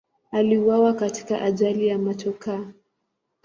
Aliuawa katika ajali ya motokaa.